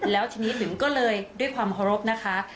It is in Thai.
แล้วทีนี้ปิ๋มก็เลยด้วยความโฮรบนะคะ